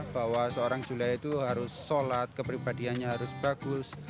bahwa seorang julia itu harus sholat kepribadiannya harus bagus